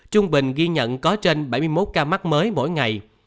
trung bình ghi nhận có trên bảy mươi một ca mắc mới mỗi ngày